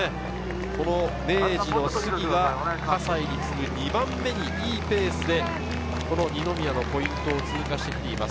明治の杉が葛西に次ぐ、２番目にいいペースで二宮のポイントを通過してきています。